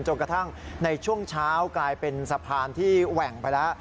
กระทั่งในช่วงเช้ากลายเป็นสะพานที่แหว่งไปแล้ว